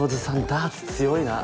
ダーツ強いな。